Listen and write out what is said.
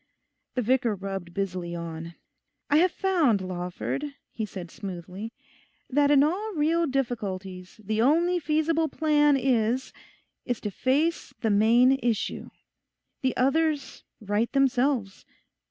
The vicar rubbed busily on. 'I have found, Lawford,' he said smoothly, 'that in all real difficulties the only feasible plan is—is to face the main issue. The others right themselves.